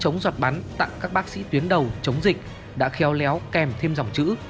cả mũ chống giọt bắn tặng các bác sĩ tuyến đầu chống dịch đã khéo léo kèm thêm dòng chữ